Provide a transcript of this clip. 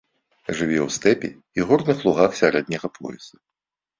Жыве ў стэпе і горных лугах сярэдняга пояса.